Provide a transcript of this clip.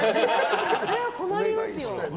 それは困りますよ。